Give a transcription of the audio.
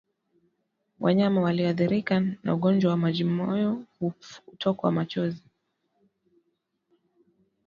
Wanyama walioathirika na ugonjwa wa majimoyo hutokwa machozi